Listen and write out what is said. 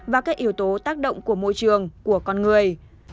và các yếu tố tác động của môi trường của con người